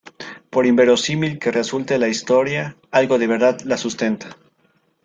Por inverosímil que resulte la historia, algo de verdad la sustenta.